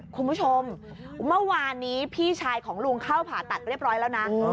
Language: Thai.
คุณผู้ชมเมื่อวานนี้พี่ชายของลุงเข้าผ่าตัดเรียบร้อยแล้วนะ